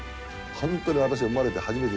本当に私生まれて初めてですよ。